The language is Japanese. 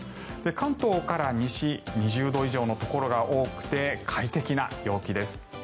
関東から西２０度以上のところが多くて快適な陽気です。